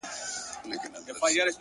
د زړه سکون له قناعت پیدا کېږي،